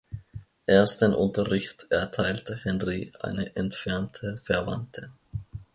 Ersten Unterricht erteilte Henri eine entfernte Verwandte.